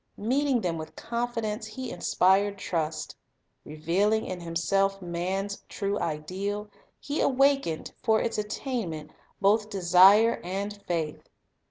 Meeting them with confidence, He inspired trust. Re vealing in Himself man's true ideal, He awakened, for its attainment, both desire and faith.